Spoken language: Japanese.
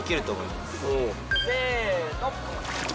せの。